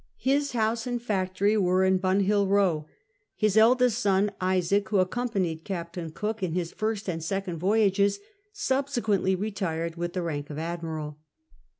His house and factory were in Bunhill Bow. His eldest son Isaac, who accompanied Captain Cook in his first and second voyages, subsequently retired with the rank of admiral.